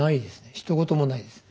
ひと言もないです。